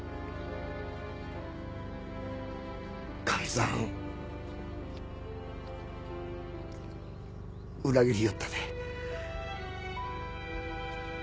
神さん裏切りよったで。